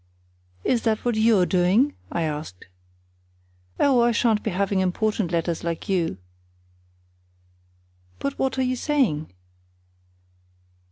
"Is that what you're doing?" I asked. "Oh, I shan't be having important letters like you." "But what are you saying?"